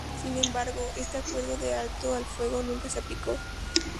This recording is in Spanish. Sin embargo, este acuerdo de Alto el Fuego nunca se aplicó.